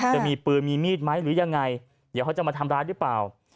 จะมีปืนมีมีดไหมหรือยังไงเดี๋ยวเขาจะมาทำร้ายหรือเปล่า